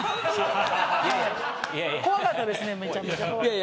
怖かったですねめちゃめちゃ。